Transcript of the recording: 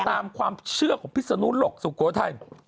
ตามความเชื่อของพิศนุโลกสุโขทัย